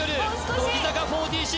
乃木坂４６